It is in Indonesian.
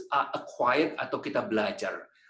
kekuatan telah diperoleh atau kita belajar